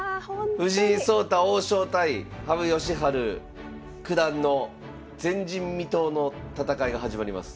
藤井聡太王将対羽生善治九段の前人未到の戦いが始まります。